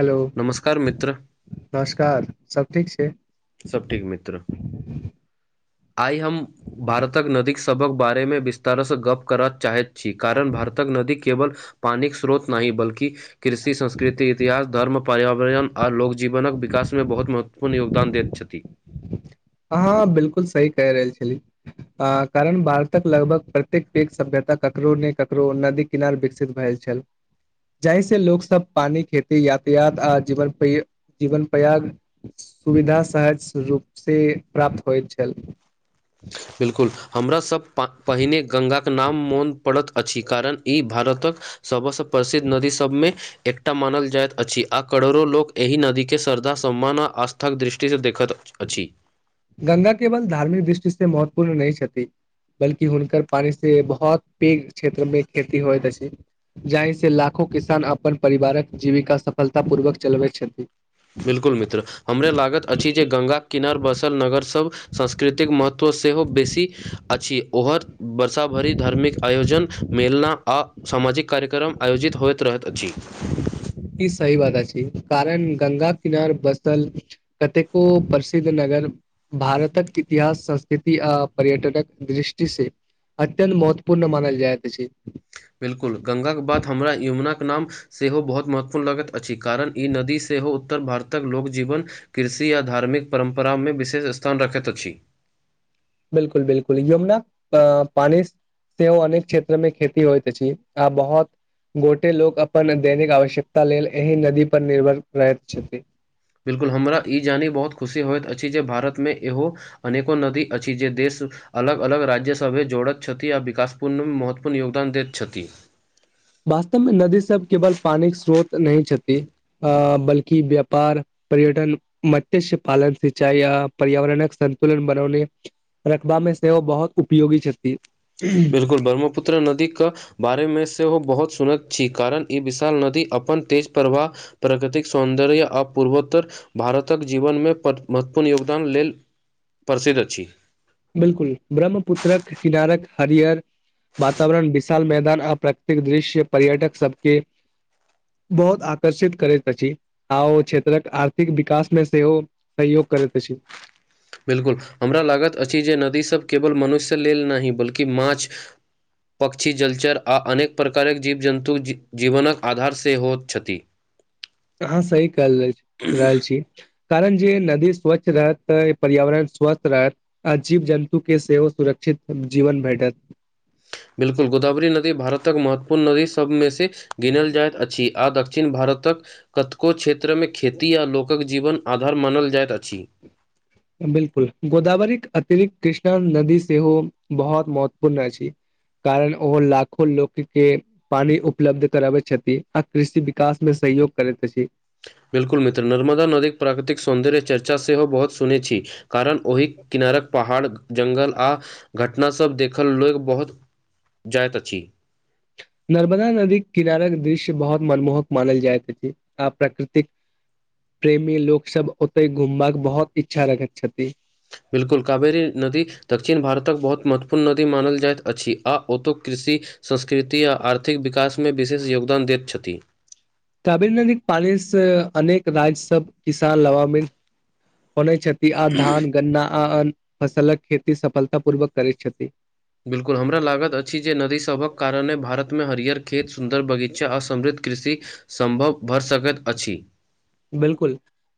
Hello नमस्कार मित्र नमस्कार सब ठीक छै सब ठीक मित्र आइ हम भारतक नदीक सभक बारेमे विस्तार सँ गप्प करय चाहैत छी कारण भारतक नदी केवल पानिक स्रोत नहि बल्कि कृषि संस्कृति इतिहास धर्म पर्यावरण आर लोकजीवनक विकास मे बहुत महत्व पूर्ण योगदान दैत छति हँ बिलकुल सही कहि रहल छली आ कारण भारतक लगभग प्रत्येक पेघ सभ्यता ककरो ने ककरो नदीक किनार विकसित भेल छल जाहि से लोक सब पानी खेती यातायात आ जीवन प्र जीवन प्रयाग सुविधा सहज रूप से प्राप्त होइत छल बिलकुल हमरा सभ पा पहिले गङ्गाक नाम मोन पड़ैत अछि कारण ई भारतक सब सँ प्रसिद्ध नदी सबमे एकटा मानल जाइत अछि आ करोड़ो लोक एहि नदी के श्रद्धा सम्मान आ आस्था के दृष्टि से देखत अछि गंगा केवल धार्मिक दृष्टि से महत्वपूर्ण नहि छथि बल्कि हुनकर पानी से बहुत पैघ क्षेत्र मे खेती होइत अछि जाहि से लाखो किसान अपन परिवारक जीविका सफलता पूर्वक चलबैत छथि बिल्कुल मित्र हमरा लागत अछि जे गंगा किनार बसल नगर सब संस्कृतिक महत्व सेहो बेसी अछि ओहर वर्षाभरि धार्मिक आयोजन मेलना आ सामाजिक कार्यक्रम आयोजित होइत रहत अछि ई सही बात अछि कारण गंगा किनार बसल कतेको प्रसिद्ध नगर भारतक इतिहास संस्कृति आ पर्यटटक दृष्टि से अत्यन्त महत्वपूर्ण मानल जायत अछि बिल्कुल गंगाक बाद हमरा यमुनाक नाम सेहो बहुत महत्वपूर्ण लगैत अछि कारण ई नदी सेहो उत्तर भारतक लोक जीवन कृषि आ धार्मिक परम्परामे विशेष स्थान राखैत अछि बिलकुल बिलकुल यमुनाक पानीस सेहो अनेक क्षेत्र मे खेती होइत अछि आ बहुत गोटे लोक अपन दैनिक आवश्यकता लेल एहि नदी पर निर्भर रहैत छथि बिलकुल हमरा ई जानी बहुत खुशी होइत अछि जे भारतमे इहो अनेको नदी अछि जे देश अलग अलग राज्य सभे जोड़ैत छथि आ विकास पूर्ण महत्वपूर्ण योगदान दैत छथि वास्तवमे नदी सब केवल पानिक स्रोत नहि छथि अ बल्कि व्यापार पर्यटन मत्स्य पालन सिंचाइ आ पर्यावरणक सन्तुलन बनौने रखबामे सेहो बहुत उपयोगी छथि बिलकुल ब्रह्मपुत्र नदी क बारे मे सेहो बहुत सुनैत छी कारण ई विशाल नदी अपन तेज प्रवाह प्रगतिक सौन्दर्य आ पूर्वोत्तर भारतक जीवनमे महत्वपूर्ण योगदान लेल प्रसिद्ध अछि बिलकुल ब्रह्मपुत्रक किनारक हरियर वातावरण विशाल मैदान आ प्रकृतिक दृश्य पर्यटक सबके बहुत आकर्षित करैत अछि आ ओ क्षेत्रक आर्थिक विकास मे सेहो सहयोग करैत अछि बिलकुल हमरा लागत अछि जे नदी सभ केवल मनुष्य लेल नहि बल्कि माछ पक्षी जलचर आ अनेक प्रकारक जीव जन्तु जीवनक आधार से होइत छथि अहाँ सही कहल रहैल छी कारण जे नदी स्वच्छ रहत तऽ पर्यावरण स्वास्थ्य रहत आ जीव जन्तु के सेहो सुरक्षित जीवन भेटत बिल्कुल गोदाावरी नदी भारतक महत्वपूर्ण नदी सभमे से गिनल जाइत अछि आ दक्षिण भारतक कतेको क्षेत्रमे खेती आ लोकक जीवन आधार मानल जाइत अछि बिलकुल गोदावरीक अतिरिक्त कृष्णा नदी सेहो बहुत महत्वपूर्ण अछि कारण ओहो लाखो लोक के पानि उपलब्ध कराबैत छथि आ कृषि विकास मे सहयोग करैत अछि बिल्कुल मित्र नर्मदा नदीक प्राकृतिक सौन्दर्य चर्चा सेहो बहुत सुनैत छी कारण ओहि किनारक पहाड़ जंगल आ घटना सब देखल लोक बहुत जायत अछि नर्मदा नदी किनारक दृश्य बहुत मनमोहक मानल जाइती अति आ प्राकृतिक प्रेमी लोक सब ओते घूमबाक के बहुत इच्छा रखैत छथि बिल्कुल कावेरी नदी दक्षिण भारतक बहुत महत्वपूर्ण नदी मानल जाइत अछि आ ओतु कृषि संस्कृति आ आर्थिक विकासमे विशेष योगदान दैत छथि काबेरी नदी के पानी से अनेक राज्य सब किसान लभामित होने छथि आ धान गन्ना आ अन्य फसलक खेती सफलता पूर्वक करैत छथि बिल्कुल हमरा लागैत अछि जे नदीसभक कारणे भारतमे हरियर खेत सुन्दर बगीचा आर समृद्ध कृषि सम्भव भ सकैत अछि बिलकुल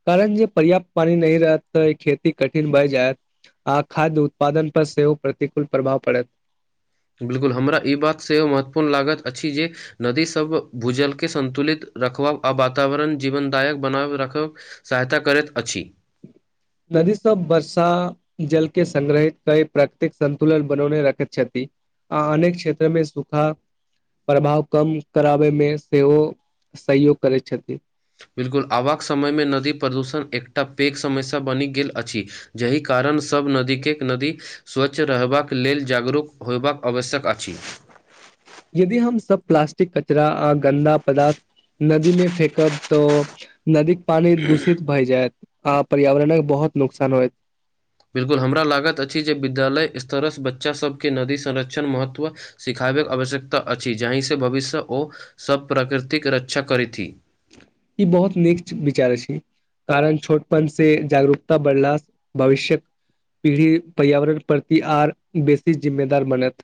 कारण जे पर्याप्त पानी नहि रहत तऽ खेती कठिन भए जायत आ खाद्य उत्पादन पर सेहो प्रतिकूल प्रभाव पड़त बिल्कुल हमरा ई बात सेहो महत्वपूर्ण लागैत अछि जे नदी सब भूजलके संन्तुलित रखब आ वातावरण जीवनदायक बनाब रखब सहायता करैत अछि नदी सब वर्षा जल के सग्रहित कई प्राकृतिक संन्तुलन बनैने रखैत छथि आ अनेक क्षेत्र मे सुखा प्रभाव कम कराबै मे सेहो सहयोग करैत छथिन बिल्कुल आबाक समय मे नदी प्रदूषण एकटा पैघ समस्या बनि गेल अछि जहि कारण सभ नदीे के नदी स्वच्छ रहबाक लेल जागरूक होयबाक आवश्यक अछि यदि हम सब प्लास्टिक कचरा आ गन्दा पदार्थ नदी मे फेेकब तऽ नदी पानी दूषित भय जायत आ पर्यावरणक बहुत नुकसान होयत बिलकुल हमरा लागत अछि जे विद्यालय स्तर से बच्चा सबके नदी संरक्षण महत्व सिखाबैक आवश्यकता अछि जहि से भविष्य ओ सब प्रकृतिक रक्षा करथि ई बहुत नीक विचार छी कारण छोटपन से जागरूकता बढ़ला भविष्यक पीढ़ी पर्यावरण प्रति आर बेसी जिम्मेदार बनत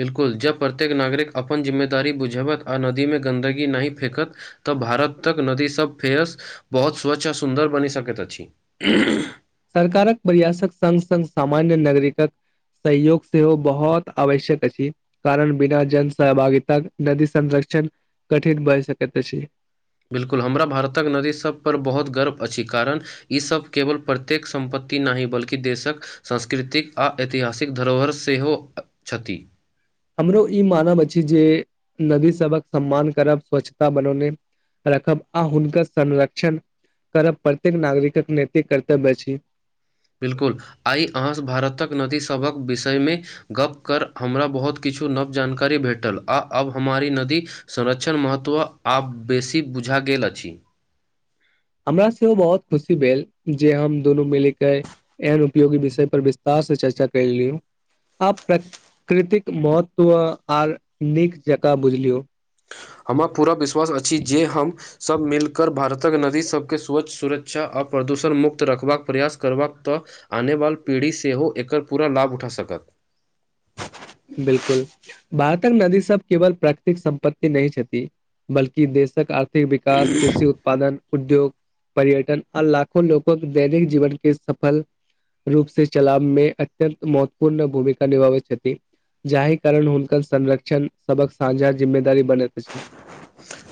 बिलकुल जब प्रत्येक नागरिक अपन जिम्मेदार बुझावत आ नदीमे गन्दगी नहि फेंकत तऽ भारत तक नदी सब फेरस बहुत स्वच्छ आ सुन्दर बनि सकैत अछि सरकारक प्रयासक संग संग सामान्य नागरिकक सहयोग सेहो बहुत आवश्यक अछि कारण बिना जन सहभागीता नदी संरक्षण कठिन बन सकेत छथिन बिल्कुल हमरा भारतक नदी सभ पर बहुत गर्व अछि कारण ई सब केवल प्रत्येक सम्पत्ति नहि ह बल्कि देशक सांस्कृतिक आ ऐतिहासिक धरोहर सेहो छथि हमरो ई मानव अछि जे नदी सभक सम्मान करब स्वच्छता बनौने रखब आ हुनकर संरक्षण करब प्रत्येक नागरिकक नेतिक कर्तव्य अछि बिल्कुल आइ अहाँ भारतक नदी सभक विषय मे गप कर हमरा बहुत किछु नव जानकारी भेटल आ अब हमारी नदी संरक्षण महत्व आब बेसी बुझा गेल अछि हमरा सेहो बहुत खुशी भेल जे हम दुनू मिल के एहन उपयोगी विषय पर विस्तार से चर्चा कर लिय आब प्रकृतिक महत्व आर नीक जकाँ बुझलियो हमरा पूरा विश्वास अछि जे हम सभ मिलकर भारतक नदी सब के स्वच्छ सुरक्षा आ प्रदूषण मुक्त रखबाक प्रयास करबाक तऽ आने वाल पीढ़ी सेहो एकर पूरा लाभ उठा सकत बिलकुल भारतक नदी सब केवल प्राकृतिक संपत्ति नहि छथि बल्कि देशक थिक विकास कृषि उत्पादन उद्योग पर्यटन आ लाखो लोको दैनिक जीवन के सफल रूप से चलाब मे अत्यंत महत्वपूर्ण भूमिका निभाबैत छथि जाहि कारण हुनकर संरक्षण सबक साझा जिम्मेदारी बनैत अछि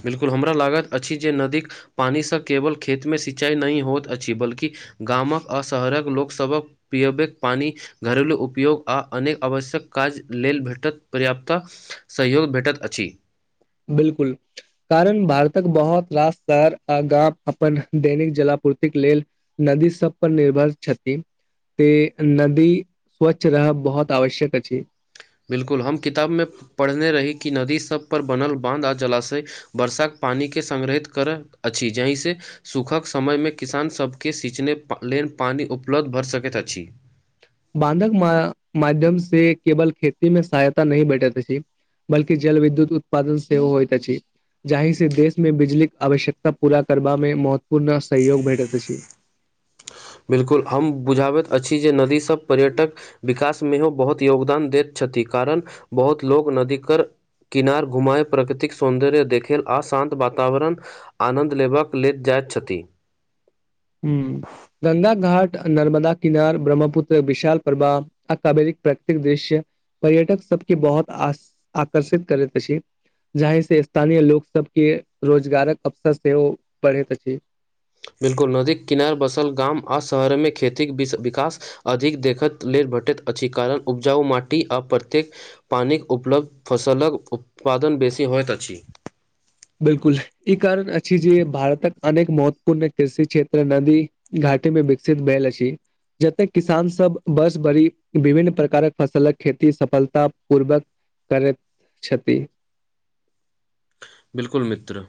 बिलकुल हमरा लागत अछि जे नदीक पानि से केवल खेत मे सिंचाई नहि होइत अछि बल्कि गामक आ शहरक लोक सभ के पिबैक पानि घरेलू उपयोग आ अनेक आवश्यक काज लेल भेटत पर्याप्ता सहयोग भेटैत अछि बिलकुल कारण भारतक बहुत रास शहर आ गाम अपन दैनिक जलापूर्तिक लेल नदी सब पर निर्भर छथिन त नदी स्वच्छ रहब बहुत आवश्यक अछि बिलकुल हम किताब मे पढ़ने रही कि नदी सब पर बनल बाँध आ जलाशय वर्षाक पानी के संग्रहित करैत अछि जहि से सूखक समय मे किसान सभके सिचने लेलन पानि उपलब्ध भऽ सकैत अछि बानधक माध्यम से केवल खेती मे सहायता नहि भेठैत छै बलकि जल विद्युत उत्पादन सेव होइ त छी जाहि से देश मे बिजलीक आवश्यकता पूरा करबा मे महत्वपूर्ण सहयोग भेटैत अछि बिल्कुल हम बुझाबैत अछि जे नदीसभ पर्यटक विकास मेहो बहुत योगदान दैत छथि कारण बहुत लोग नदी कर किनार घुमाए प्रकृतिक सौन्दर्य देखेल आशान्त वातावरण आनन्द लेबबाक लेल जाइत छथि ह गङ्गा घाट नर्मदा किनार ब्रह्मपुत्र विशाल प्रभा आ कबरिक प्रकृतिक दृश्य पर्यटक सबके बहुत आकर्षित करैत अछि जाहि से स्थानीय लोकोग सब के रोजगारक अवसर सेहो बढैत अछि बिल्कुल नदीक किनार बसल गाम आओ शहरमे खेतीके विकास अधिक देखत लेल भेटैत अछि कारण उपजाउ माटी आ प्रत्येक पानिक उपलब्ध फसलक उत्पादन बेसी होइत अछि बिलकुल ई कारण अछि जे भारतक अनेक महत्वपूर्ण कृषि क्षेत्र नदी घाटी मे विकसित बैल अछी जते किसान सब वर्ष भरी विभिन्न प्रकारक फसलक खेती सफलता पूर्वक करैत छथि बिलकुल मित्र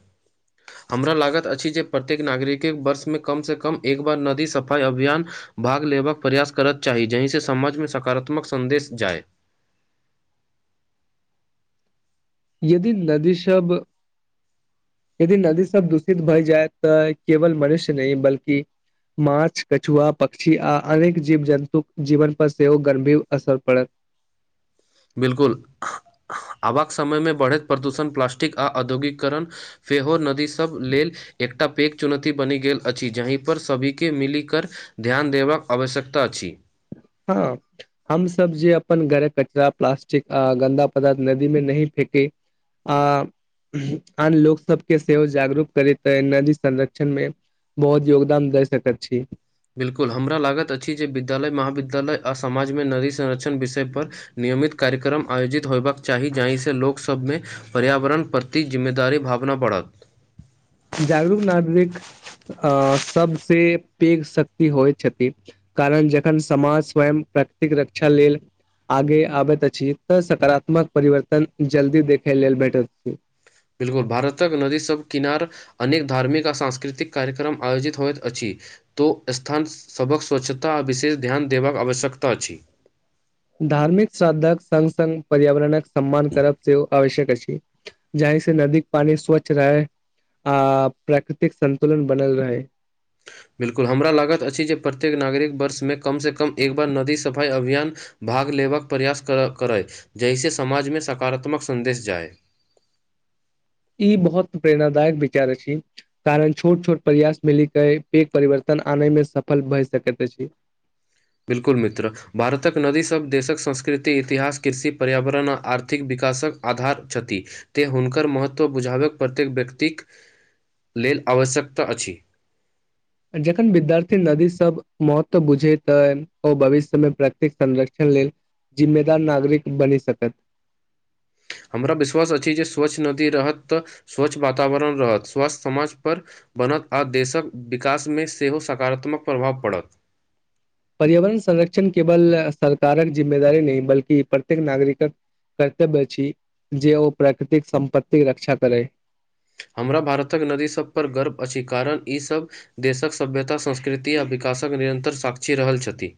हमरा लागत अछि जे प्रत्येक नागरिकक वर्षमे कमसँ कम एक बार नदी सफाइ अभियान भाग लेबाक प्रयास करत चाही जाहिसँ समाजमे सकारात्मक सन्देश जाय यदि नदी सब यदि नदी सब दूषित भए जाय तऽ केवल मनुष्य नहि बल्कि माछ कछुआ पक्षी आ अनेक जीव जन्तुक जीवन पर सेहो गंभीर असर पड़त बिलकुल आबक समय मे बढ़ैत प्रदूषण प्लासस्टिक आ औद्योगिकीकरण फेहोर नदी सभ लेल एकटा पैघ चुनौती बनि गेल अछि जही पर सभी के मिली कर ध्यान देबाक आवश्यकता अछि हँ हम सब जे अपन घरक कचरा प्लास्टिक अ गन्दा पदार्थ नदी में नही फेके आ आन लोक सभके सेहो जागरूक करैत ह नदी संरक्षणमे बहुत योगदान दे सकैत छी बिल्कुल हमरा लागत अछि जे विद्यालय महाविद्यालय आ समाजमे नदी संरक्षण विषयपर नियमित कार्यक्रम आयोजित होयबाक चाही जाहिसँ लोक सभमे पर्यावरण प्रति जिम्मेदारी भावना पड़त जागरूक नागरिक अ सबसँ पैघ शक्ति होइ छथिन कारण जखन समाज स्वयं प्रकृतिक रक्षा लेल आगे आबैत अछि तऽ सकारात्मक परिवर्तन जल्दी देखे लेल भेटैत छी बिलकुल भारतक नदी सब किनार अनेक धार्मिक आ सांस्कृतिक कार्यक्रम आयोजित होइत अछि तो स्थान सभक स्वच्छता आ विशेष ध्यान देबाक आवश्यकता अछि धार्मिक श्रादधक संग संग पर्यावरणक सम्मान करब से आवश्यक अछि जहि से नदीक पानी स्वच्छ रहै आ प्राकृतिक संन्तुलन बनल रहै बिल्कुल हमरा लागत अछि जे प्रत्येक नागरिक वर्षमे कमसँ कम एक बार नदी सफाइ अभियान भाग लेबाक प्रयास करय जहिस समाजमे सकारात्मक संन्देश जाय ई बहुत प्रेरणादायक विचार छी कारण छोट छोट प्रयास मिल के पैघ परिवर्तन आनेय मे सफल भए सकैत अछि बिल्कुल मित्र भारतक नदी सब देशक संस्कृति इतिहास कृषि पर्यावरण आ आर्थिक विकासक आधार छथि तैँ हुनकर महत्व बुझाबै प्रत्येक व्यक्तिक लेल आवश्यकता अछि जखन विद्यार्थी नदी सब महत्व बुझै तऽ ओ भविष्य मे प्रकृतिक संरक्षण लेल जिम्मेदार नागरिक बनी सकत हमरा विश्वास अछि जे स्वच्छ नदी रहत तऽ स्वच्छ वातावरण रहत स्वच्छ समाजपर बनत आ देशक विकासमे सेहो सकारात्मक प्रभाव पड़त पर्यावरण संरक्षण केवल सरकारक जिम्मेदारी नहि बल्कि प्रत्येक नागरिकक कर्तव्य छी जे ओ प्राकृतिक सम्पत्तिक के रक्षा करै हमरा भारतक नदीसभपर गर्व अछि कारण ईसभ देशक सभ्यता संस्कृति आ विकासक निरन्तर साक्षी रहल छथि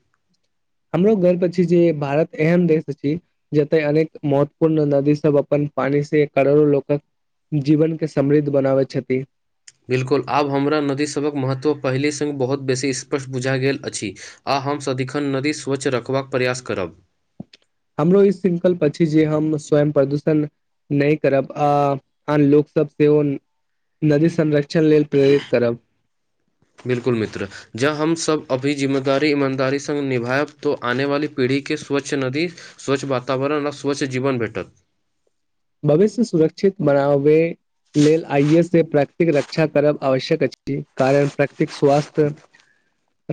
हमरो गर्व अछि जे भारत एहन‌ देश छै जते अनेक महत्वपूर्ण नदी सब अपन पानी से करोड़ो लोकक जीवन के समृद्ध बनाबै छथि बिल्कुल आब हमरा नदीसभक महत्व पहिले स‌ बहुत बेसी स्पष्ट बुझा गेल अछि आ हम सदिखन नदी स्वच्छ रखबाक प्रयास करब हमरो ई संकल्प प जे हम स्वयं प्रदूषण नहि करब आ आन लोक सब सेहो नदी संरक्षण क्षण लेल प्रेरित करब। बिल्कुल मित्र जँ हम सब अभी जिम्मेदारी ईमानदारी सँ निभायब तो आने वाली पीढ़ी के स्वच्छ नदी स्वच्छ वातावरण आ स्वच्छ जीबन भेटत भविष्य सुरक्षित बनाबे लेल आइयेसे प्रकृतिक रक्षा करब आवश्यक अछि कारण प्रकृतिक स्वास्थ्य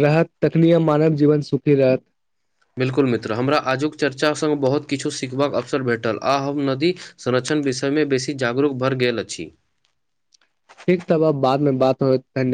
रहत तखनिए मानव जीवन सुखी रहत बिल्कुल मित्र हमरा आजुक चर्चा सँ बहुत किछु सीखबाक अवसर भेटल आ हम नदी संरक्षण विषयमे बेसी जागरूक भर गेल अछि ठीक तब आब बादमे बात होएत धन्यवाद